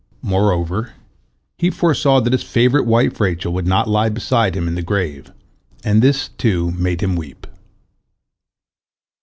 Moreover, he foresaw that his favorite wife Rachel would not lie beside him in the grave, and this, too, made him weep.